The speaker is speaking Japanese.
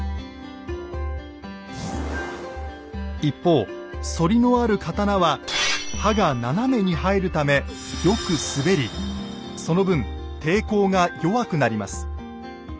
一方反りのある刀は刃が斜めに入るためよく滑りその分抵抗が弱くなります。